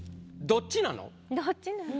「どっちなの？」。